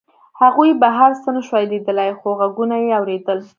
هغوی بهر څه نشوای لیدلی خو غږونه یې اورېدل